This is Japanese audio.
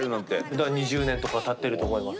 だから２０年とかたっていると思います。